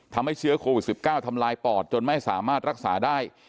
ทำให้เชื้อโควิด๑๙ทำลายปอดจนไม่สามารถรักษาได้